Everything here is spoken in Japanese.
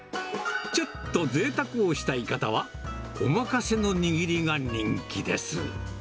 ちょっとぜいたくをしたい方は、おまかせのにぎりが人気です。